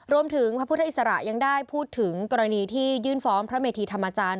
พระพุทธอิสระยังได้พูดถึงกรณีที่ยื่นฟ้องพระเมธีธรรมจารย์